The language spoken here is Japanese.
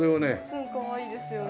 ツンかわいいですよね。